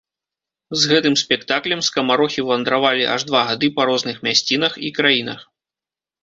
З гэтым спектаклем скамарохі вандравалі аж два гады па розных мясцінах і краінах.